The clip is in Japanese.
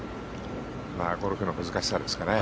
ゴルフの難しさですかね。